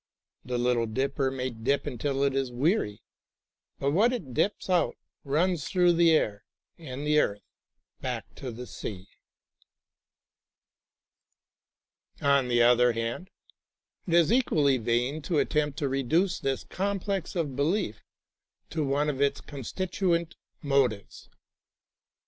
The little dipper may dip until it is weary, but what it dips out runs through the air and the earth back to the sea. On the other hand, it is equally vain to at tempt to reduce this complex of belief to one of its constituent motives.